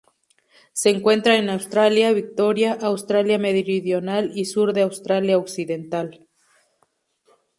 Se encuentra en Australia: Victoria, Australia Meridional y sur de Australia Occidental.